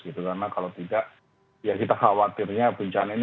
karena kalau tidak ya kita khawatirnya bencana ini